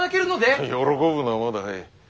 喜ぶのはまだ早え。